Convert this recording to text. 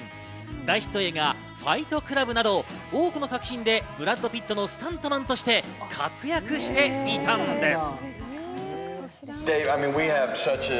大ヒット映画『ファイト・クラブ』など多くの作品でブラッド・ピットのスタントマンとして活躍していたんです。